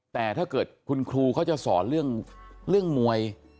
แต่ถ้าเกิดคุณครูเขาจะสอนเรื่องมวย